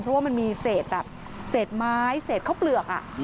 เพราะว่ามันมีเศษแบบเศษไม้เศษข้าวเปลือก